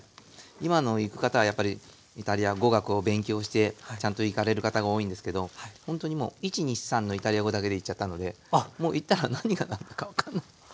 今の行く方はやっぱりイタリア語学を勉強してちゃんと行かれる方が多いんですけどほんとにもう１２３のイタリア語だけで行っちゃったのでもう行ったら何が何だか分かんない。